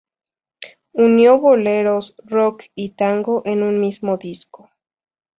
Unió boleros, rock y tango en un mismo disco.